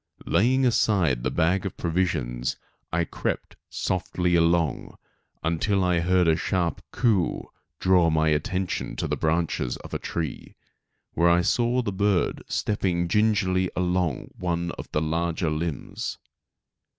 Laying aside the bag of provisions I crept softly along, until a sharp "coo o o" drew my attention to the branches of a tree, where I saw the bird stepping gingerly along one of the larger limbs.